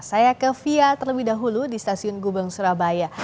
saya ke fia terlebih dahulu di stasiun gubeng surabaya